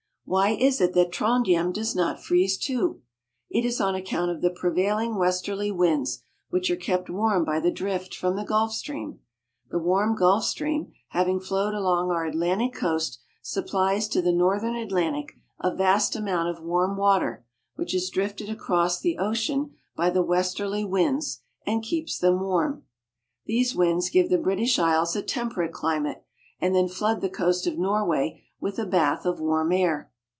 Why is it that Trondhjem does not freeze too ? It is on account of the prevailing westerly winds, which are kept warm by the drift from the Gulf Stream. The warm Gulf Stream, having flowed along our Atlantic Coast, sup plies to the northern Atlantic a vast amount of warm water, which is drifted across the ocean by the westerly winds and keeps them warm. These winds give the British Isles a temperate climate, and then flood the coast of Norway with a bath of warm air.